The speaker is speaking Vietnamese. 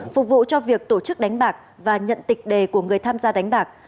phục vụ cho việc tổ chức đánh bạc và nhận tịch đề của người tham gia đánh bạc